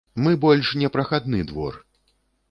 Мы больш не прахадны двор.